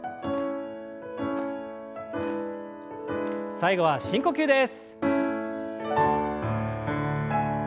最後は深呼吸です。